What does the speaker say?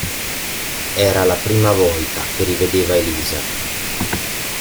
Era la prima volta che rivedeva Elisa.